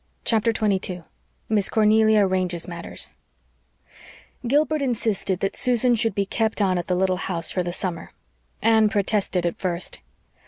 CHAPTER 22 MISS CORNELIA ARRANGES MATTERS Gilbert insisted that Susan should be kept on at the little house for the summer. Anne protested at first.